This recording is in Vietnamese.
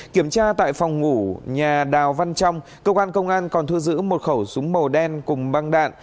kiểm tra tại phòng ngủ nhà đào văn trong cơ quan công an còn thu giữ một khẩu súng màu đen cùng băng đạn